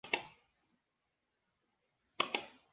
Nunca ha tenido una formación musical sino que ha sido autodidacta.